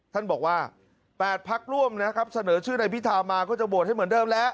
ท่านบอกว่า๘พักร่วมนะครับเสนอชื่อนายพิธามาก็จะโหวตให้เหมือนเดิมแล้ว